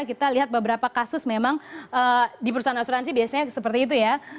kita lihat beberapa kasus memang di perusahaan asuransi biasanya seperti itu ya